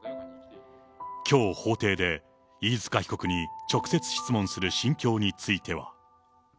きょう法廷で、飯塚被告に直接質問する心境については。